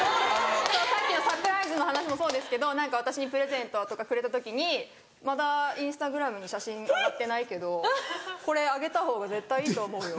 さっきのサプライズの話もそうですけど何か私にプレゼントとかくれた時に「まだインスタグラムに写真上がってないけどこれ上げた方が絶対いいと思うよ」